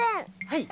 はい。